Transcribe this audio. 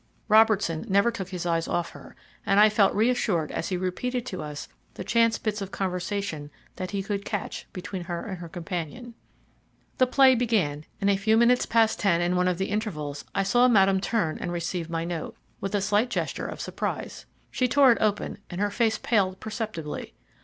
Robertson never took his eyes off her, and I felt reassured as he repeated to us the chance bits of conversation that he could catch between her and her companion. The play began, and a few minutes past ten, in one of the intervals, I saw Madame turn and receive my note, with a slight gesture of surprise. She tore it open and her face paled perceptibly.